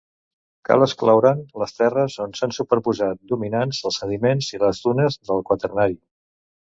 Cal excloure'n les terres on s’han superposat, dominants, els sediments i les dunes del Quaternari.